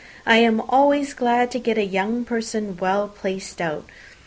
I am always glad to get a young person well placed out.